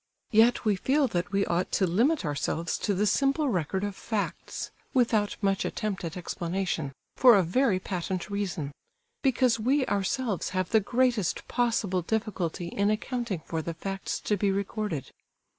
Yet we feel that we ought to limit ourselves to the simple record of facts, without much attempt at explanation, for a very patent reason: because we ourselves have the greatest possible difficulty in accounting for the facts to be recorded.